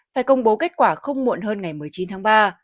phải công bố kết quả không muộn hơn ngày một mươi chín tháng ba